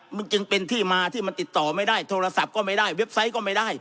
มันจึงเป็นที่มาที่มันติดต่อไม่ได้โทรศัพท์ก็ไม่ได้เว็บไซต์ก็ไม่ได้